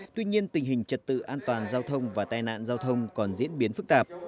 tuy nhiên tình hình trật tự an toàn giao thông và tai nạn giao thông còn diễn biến phức tạp